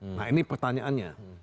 nah ini pertanyaannya